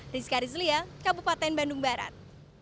rizka rizlia kabupaten bandung barat